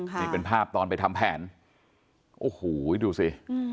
นี่เป็นภาพตอนไปทำแผนโอ้โหดูสิ